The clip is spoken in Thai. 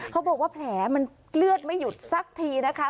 เขาบอกว่าแผลมันเลือดไม่หยุดสักทีนะคะ